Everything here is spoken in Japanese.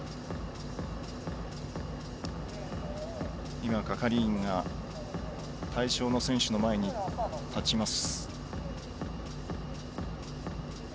今、係員が対象の選手の前に立ちます。